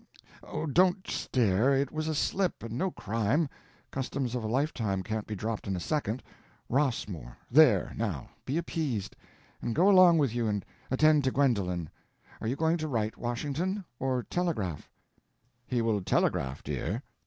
Oh, don't stare—it was a slip, and no crime; customs of a life time can't be dropped in a second. Ross_more_—there, now, be appeased, and go along with you and attend to Gwendolen. Are you going to write, Washington?—or telegraph?" "He will telegraph, dear."